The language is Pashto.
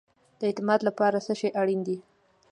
د اعتماد لپاره څه شی اړین دی؟